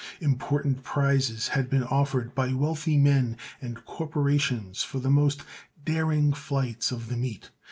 Important prizes had been offered by wealthy men and corporations for the most daring flights of the meet.